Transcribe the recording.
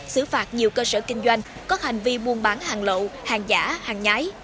xử phạt nhiều cơ sở kinh doanh có hành vi buôn bán hàng lậu hàng giả hàng nhái